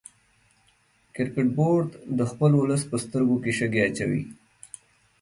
کرکټ بورډ د خپل ولس په سترګو کې شګې اچوي